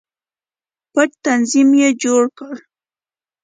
پټ تنظیم یې جوړ کړ.